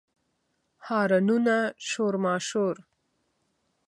هارنونه، شور ماشور